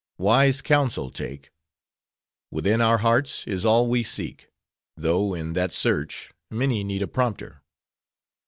Wise counsel take. Within our hearts is all we seek: though in that search many need a prompter.